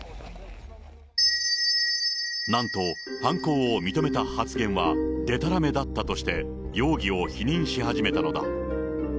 なんと犯行を認めた発言はでたらめだったとして、容疑を否認し始めたのだ。